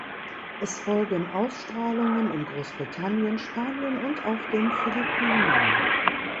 Es folgen Ausstrahlungen in Großbritannien, Spanien und auf den Philippinen.